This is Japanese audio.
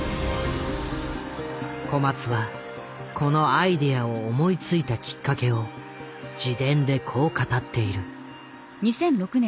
小松はこのアイデアを思いついたきっかけを自伝でこう語っている。